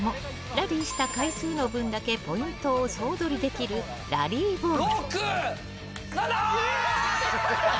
ラリーした回数の分だけポイントを総取りできるラリーボール。